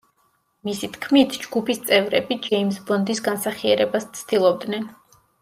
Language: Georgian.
მისი თქმით, ჯგუფის წევრები ჯეიმზ ბონდის განსახიერებას ცდილობდნენ.